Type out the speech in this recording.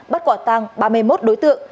bắt quả tăng ba mươi một đối tượng